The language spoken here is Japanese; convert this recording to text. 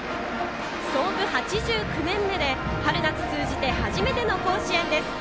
創部８９年目で春夏通じて初めての甲子園です。